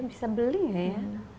bisa beli gak ya